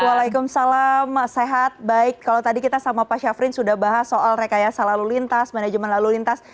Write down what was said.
waalaikumsalam sehat baik kalau tadi kita sama pak syafrin sudah bahas soal rekayasa lalu lintas manajemen lalu lintas